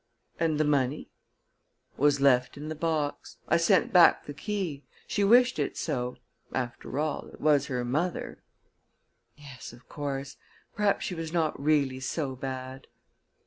"And the money?" "Was left in the box. I sent back the key. She wished it so. After all, it was her mother " "Yes, of course; perhaps she was not really so bad."